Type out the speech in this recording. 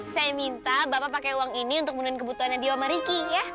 saya minta bapak pakai uang ini untuk menenang kebutuhannya dio sama ricky ya